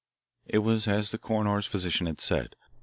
It was as the coroner's physician had said.